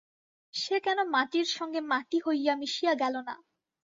সে কেন মাটির সঙ্গে মাটি হইয়া মিশিয়া গেল না!